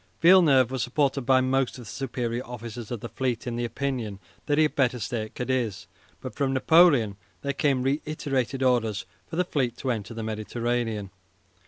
Villeneuve was supported by most of the superior officers of the fleet in the opinion that he had better stay at Cadiz; but from Napoleon there came reiterated orders for the fleet to enter the Mediterranean.